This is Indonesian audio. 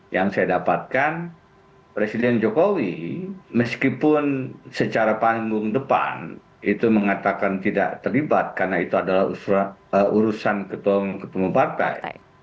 yang saya dapatkan presiden jokowi meskipun secara panggung depan itu mengatakan tidak terlibat karena itu adalah urusan ketua umum ketua umum partai